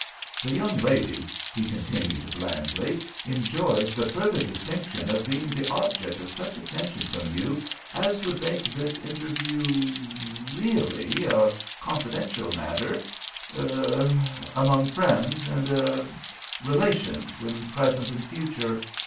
The young lady," he continued, blandly, "enjoys the further distinction of being the object of such attention from you as would make this interview— really—a confidential matter—er—er—among friends and—er—er— relations in present and future.